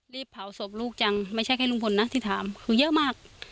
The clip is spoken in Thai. เผาศพลูกจังไม่ใช่แค่ลุงพลนะที่ถามคือเยอะมาก